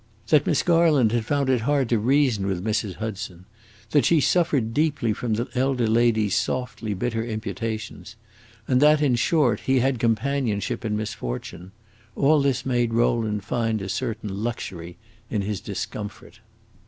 That Miss Garland had found it hard to reason with Mrs. Hudson, that she suffered deeply from the elder lady's softly bitter imputations, and that, in short, he had companionship in misfortune all this made Rowland find a certain luxury in his discomfort.